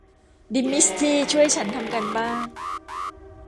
ดีมิสทรีช่วยฉันทำการบ้าน